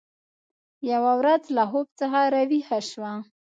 یوه ورځ له خوب څخه راویښه شوه